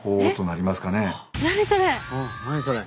何それ！？